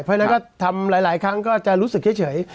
เพราะฉะนั้นก็ทำหลายครั้งก็จะรู้สึกเฉย